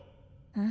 うん。